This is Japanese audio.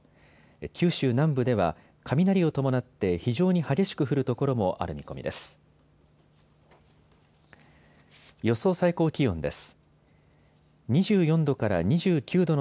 九州南部では雷を伴って非常に激しく降る所もある見込みです。